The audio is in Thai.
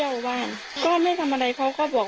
อยากให้เขามอบตัวเพื่อลูก